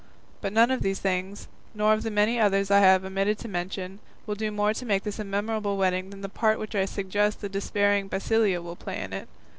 But none of these things, nor of the many others I have omitted to mention, will do more to make this a memorable wedding than the part which I suspect the despairing Basilio will play in it.